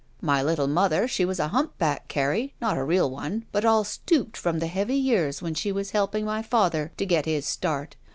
My little mother she was a humpback, Carrie, not a real one, but all stooped from the heavy years when she was helping my father to get his start.